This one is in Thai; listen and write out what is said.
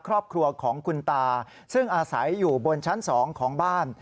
ครอบครัวของคุณตาซึ่งอาศัยอยู่บนชั้น๒ของบ้าน